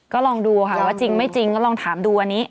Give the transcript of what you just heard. ก็ลองดูค่ะว่าจริงไม่จริงก็ลองถามดูอันนี้